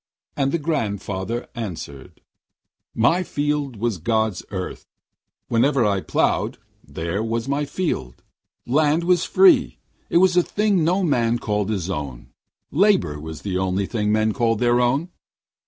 And the grandfather answered: 'My field was God's earth. Wherever I ploughed, there was my field. Land was free. It was a thing no man called his own. Labour was the only thing men called their own.'